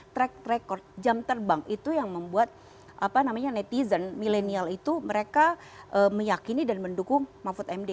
track record jam terbang itu yang membuat netizen milenial itu mereka meyakini dan mendukung mahfud md